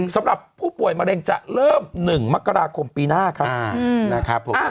สำหรับผู้ป่วยมะเร็งจะเริ่ม๑มคมปีหน้าครับ